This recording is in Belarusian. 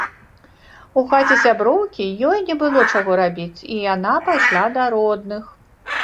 У хаце сяброўкі ёй не было чаго рабіць і яна пайшла да родных.